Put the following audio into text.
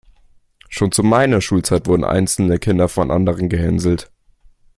Schon zu meiner Schulzeit wurden einzelne Kinder von anderen gehänselt.